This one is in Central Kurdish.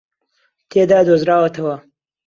تێدا دۆزراوەتەوە